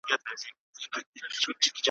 ته چي کیسه کوې جانانه پر ما ښه لګیږي `